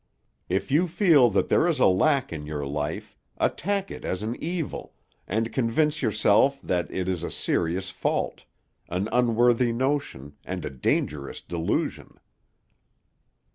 If you feel that there is a lack in your life, attack it as an evil, and convince yourself that it is a serious fault; an unworthy notion, and a dangerous delusion."